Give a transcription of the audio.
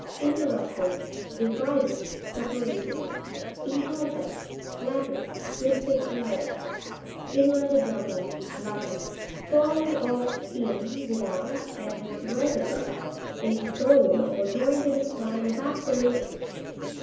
InrERRU'pTED.— Divided, separated. Intor'ta.—Latin. 'Twisted inwards. Invertesra'TA.—Latin, Formed of in, without, and vertebra, a bone or joint of the spine or hack bone.